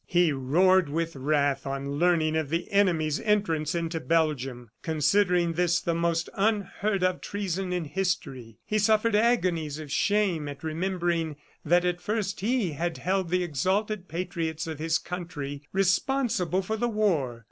He roared with wrath on learning of the enemy's entrance into Belgium, considering this the most unheard of treason in history. He suffered agonies of shame at remembering that at first he had held the exalted patriots of his country responsible for the war.